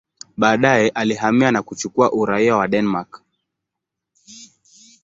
Baadaye alihamia na kuchukua uraia wa Denmark.